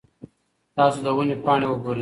تاسو د ونې پاڼې وګورئ.